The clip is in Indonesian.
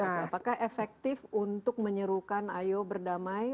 apakah efektif untuk menyerukan ayo berdamai